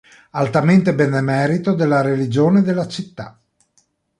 Altamente benemerito della religione della Città.